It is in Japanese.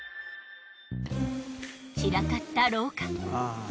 散らかった廊下。